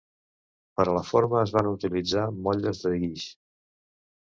Per a la forma es van utilitzar motlles de guix.